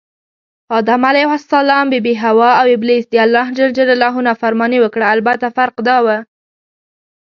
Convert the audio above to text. آدم ع، بي بي حوا اوابلیس دالله ج نافرماني وکړه البته فرق دا و